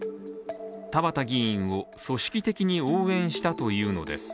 田畑議員を、組織的に応援したというのです。